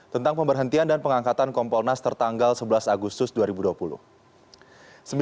tentang pemberhentian dan pengangkatan kompolnas tertanggal sebelas agustus dua ribu dua puluh